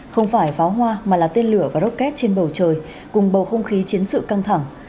không phải pháo hoa mà là tên lửa và rocket trên bầu trời cùng bầu không khí chiến sự căng thẳng